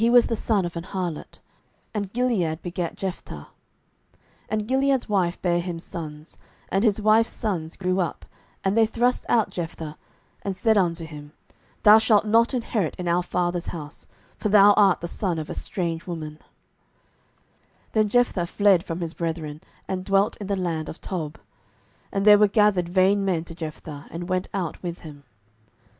07:011:002 And Gilead's wife bare him sons; and his wife's sons grew up, and they thrust out Jephthah, and said unto him, Thou shalt not inherit in our father's house; for thou art the son of a strange woman. 07:011:003 Then Jephthah fled from his brethren, and dwelt in the land of Tob: and there were gathered vain men to Jephthah, and went out with him.